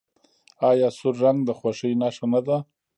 آیا سور رنګ د خوښۍ نښه نه ده؟